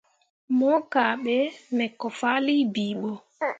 Mo kahɓe me ko fahlii bii ɓo.